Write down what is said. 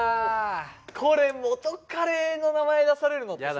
これ元カレの名前出されるのってさ。